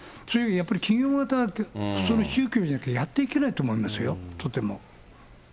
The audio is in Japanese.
企業型宗教じゃないとやっていけないと思いますよ、とても。